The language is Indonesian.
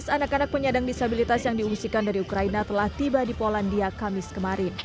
tujuh belas anak anak penyandang disabilitas yang diungsikan dari ukraina telah tiba di polandia kamis kemarin